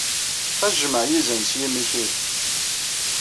Xas jmeɛ yizan s yimi-k, ihi!